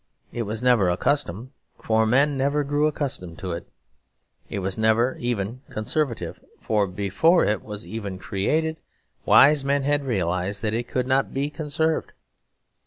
It was never a custom; for men never grew accustomed to it. It was never even conservative; for before it was even created wise men had realised that it could not be conserved.